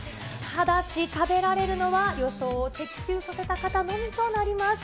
ただし、食べられるのは、予想を的中させた方のみとなります。